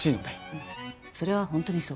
うんそれは本当にそう。